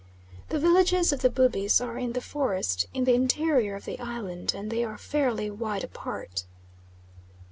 The villages of the Bubis are in the forest in the interior of the island, and they are fairly wide apart.